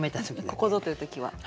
ここぞという時は。